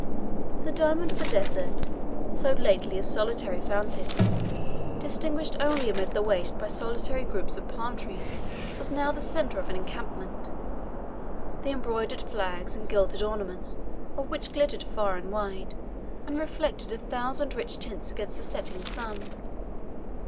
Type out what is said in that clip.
The Diamond of the Desert, so lately a solitary fountain, distinguished only amid the waste by solitary groups of palm trees, was now the centre of an encampment, the embroidered flags and gilded ornaments of which glittered far and wide, and reflected a thousand rich tints against the setting sun.